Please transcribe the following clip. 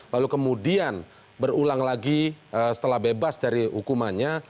lalu kemudian berulang lagi setelah bebas dari hukumannya